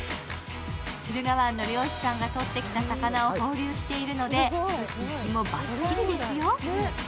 駿河湾の漁師さんがとってきた魚を放流しているので生きもばっちりですよ。